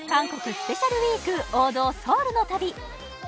スペシャルウィーク王道ソウルの旅